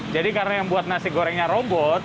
jadi karena yang buat nasi gorengnya robot